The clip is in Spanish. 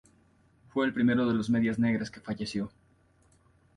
Fue el primero de los Medias Negras que falleció.